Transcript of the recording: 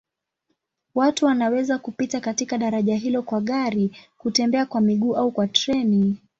Watu wanaweza kupita katika daraja hilo kwa gari, kutembea kwa miguu au kwa treni.